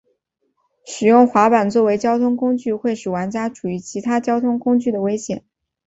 使用滑板作为交通工具会使玩家处于其他交通工具的危险中。